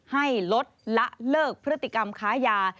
ให้ลดละเลิกพฤติกรรมค้ายา